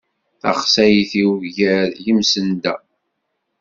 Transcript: Taxsayt-iw gar yimsenda.